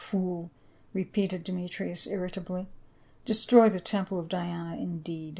" Fool !" repeated Demetrius irritably. " Destroy the temple of Diana indeed